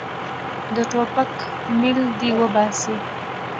د ټوپک میل دې وباسي.